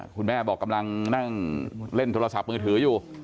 คุณแม่บอกกำลังนั่งเล่นโทรศัพท์มือถืออยู่